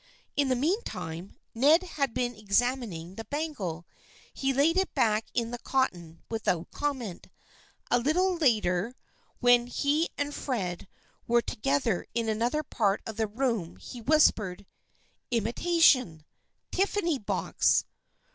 In the meantime Ned had been examining the bangle. He laid it back in the cotton without comment. A little later when he and Fred were THE FRIENDSHIP OF ANNE 191 together in another part of the room he whispered :" Imitation ! Tiffany box